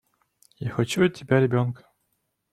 Я хочу от тебя ребёнка!